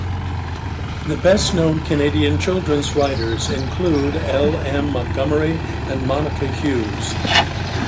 The best-known Canadian children's writers include L. M. Montgomery and Monica Hughes.